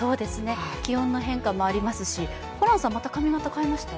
気温の変化もありますしホランさん、また髪形変えました？